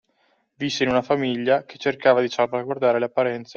Visse in una famiglia che cercava di salvaguardare le apparenze